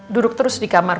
duduk terus di kamar